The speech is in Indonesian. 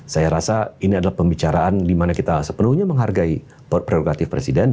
saya rasa ini adalah pembicaraan di mana kita sepenuhnya menghargai prerogatif presiden